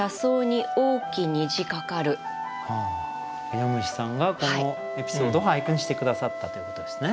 みのむしさんがこのエピソードを俳句にして下さったということですね。